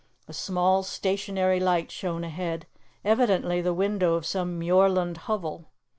A small stationary light shone ahead, evidently the window of some muirland hovel.